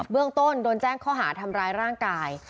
เรื่องต้นโดนแจ้งข้อหาทำร้ายร่างกาย